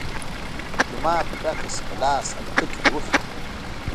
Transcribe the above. ديپلومات بکس په لاس الوتکې ته وخوت.